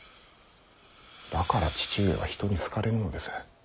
だから父上は人に好かれぬのです。